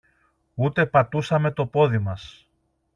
Ούτε πατούσαμε το πόδι μας